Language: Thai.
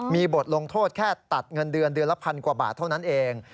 มีบทลงโทษแค่ตัดเงินเดือนเดือนละพันกว่าบาทเท่านั้นเอง